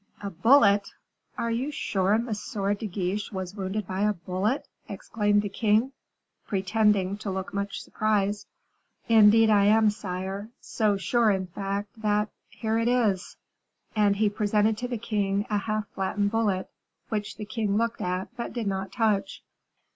"A bullet! Are you sure Monsieur de Guiche was wounded by a bullet?" exclaimed the king, pretending to look much surprised. "Indeed, I am, sire; so sure, in fact, that here it is." And he presented to the king a half flattened bullet, which the king looked at, but did not touch.